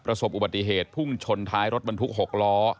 ประสบอุบัติเหตุพุ่งชนท้ายรถบรรทุก๖ล้อ